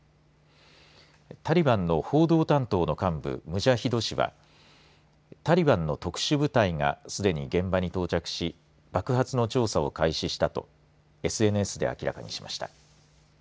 タリバンの報道担当の幹部ムジャヒド氏はタリバンの特殊部隊が、すでに現場に到着し爆発の調査を開始したとＳＮＳでか明らかにしました。